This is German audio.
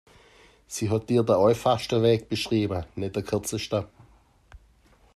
Sie hat dir den einfachsten Weg beschrieben, nicht den kürzesten.